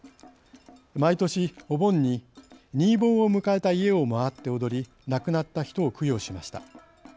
毎年、お盆に新盆を迎えた家を回って踊り亡くなった人を供養しました。